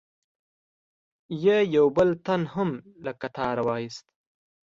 یې یو بل تن هم له قطاره و ایست.